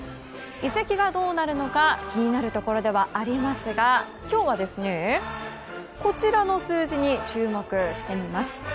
移籍がどうなるのか気になるところではありますが今日は、こちらの数字に注目してみます。